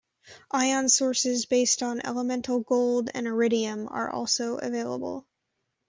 Ion sources based on elemental gold and iridium are also available.